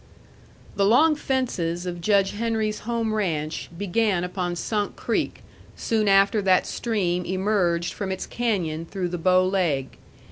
The long fences of Judge Henry's home ranch began upon Sunk Creek soon after that stream emerged from its canyon through the Bow Leg.